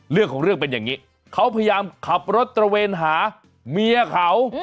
เรื่องของเรื่องเป็นอย่างนี้เขาพยายามขับรถตระเวนหาเมียเขา